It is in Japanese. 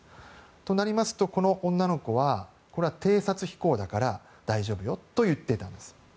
となりますと、この女の子は偵察飛行、だから大丈夫よと言っていたんです。